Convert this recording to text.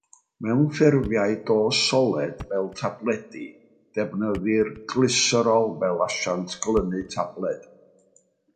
Mewn ffurfiau dos solet fel tabledi, defnyddir glyserol fel asiant glynu tabled.